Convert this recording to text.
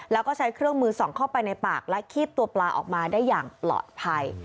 แล้วก็ใช้เครื่องมือส่องเข้าไปในปากและคีบตัวปลาออกมาได้อย่างปลอดภัย